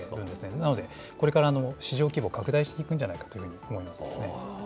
なのでこれから市場規模、拡大していくんじゃないかと思いますね。